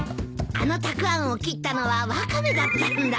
あのたくあんを切ったのはワカメだったんだ。